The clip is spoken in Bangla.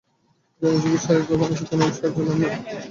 জ্ঞানযোগী শারীরিক বা মানসিক কোনরূপ সাহায্য লন না।